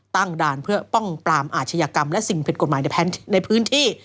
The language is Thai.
ตั้งด่านเพื่อป้องปรามอาชญากรรมและสิ่งผิดกฎหมายในพื้นที่